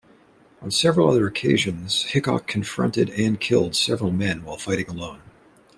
On several other occasions, Hickok confronted and killed several men while fighting alone.